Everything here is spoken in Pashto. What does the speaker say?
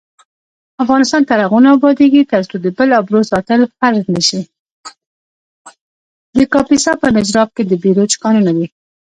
د کاپیسا په نجراب کې د بیروج کانونه دي.